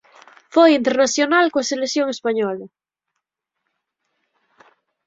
Foi internacional coa selección española.